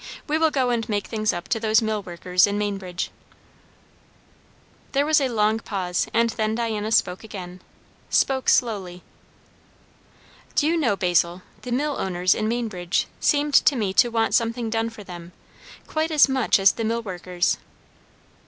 "We will go and make things up to those millworkers in Mainbridge." There was a long pause, and then Diana spoke again; spoke slowly. "Do you know, Basil, the millowners in Mainbridge seemed to me to want something done for them, quite as much as the millworkers?"